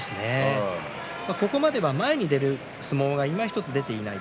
ここまでは前に出る相撲がいまひとつ出ていない。